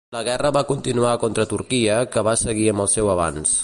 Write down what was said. La guerra va continuar contra Turquia que va seguir amb el seu avanç.